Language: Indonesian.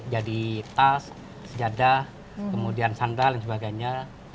jadi tas sejadah kemudian sandal dan sebagainya